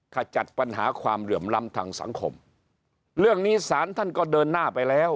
ขจัดปัญหาความเหลื่อมล้ำทางสังคมเรื่องนี้สารท่านก็เดินหน้าไปแล้ว